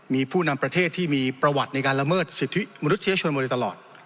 มีผู้นำประเทศที่มีประวัติในการละเมิดสิทธิมนุษยชนมาโดยตลอด